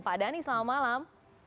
pak dhani selamat malam